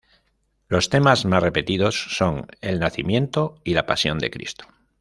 Los temas más repetidos son el nacimiento y la Pasión de Cristo.